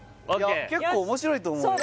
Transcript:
結構面白いと思うよ